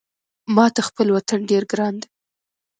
ماته خپل وطن ډېر ګران ده